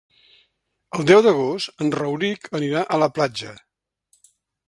El deu d'agost en Rauric anirà a la platja.